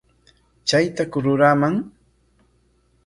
¿Chaytaku ruraaman?